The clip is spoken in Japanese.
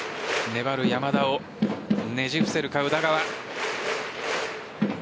粘る山田をねじ伏せるか宇田川。